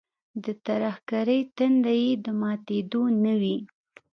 د ترهګرۍ تنده یې د ماتېدو نه وي.